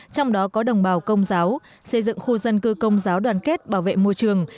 trong đó có đồng bào công giáo xây dựng khu dân cư công giáo đoàn kết bảo vệ môi trường